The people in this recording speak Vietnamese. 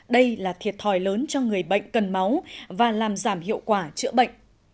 đây là thiệt thòi lớn cho người bệnh cần máu và làm giảm hiệu quả chữa bệnh